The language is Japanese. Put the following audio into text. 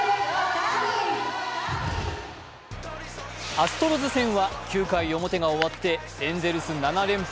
アストロズ戦は９回表が終わってエンゼルス７連敗